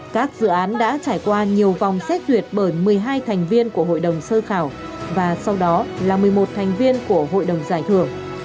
các dự án đã trải qua nhiều vòng xét duyệt bởi một mươi hai thành viên của hội đồng sơ khảo và sau đó là một mươi một thành viên của hội đồng giải thưởng